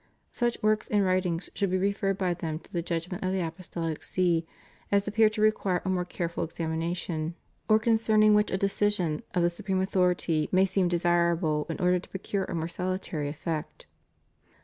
Such works and writings should be referred by them to the judgment of the Apostolic See as appear to require a more careful examination, or concerning which a decision of the su preme authority may seem desirable in order to procure a more salutary effect.